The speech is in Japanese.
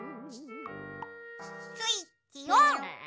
スイッチオン！